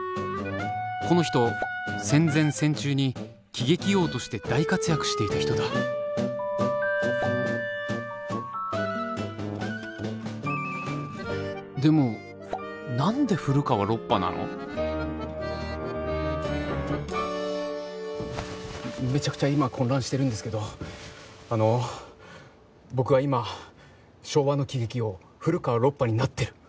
この人戦前・戦中に喜劇王として大活躍していた人だでもなんで古川ロッパなのめちゃくちゃ今混乱してるんですけどあの僕は今昭和の喜劇王古川ロッパになってる！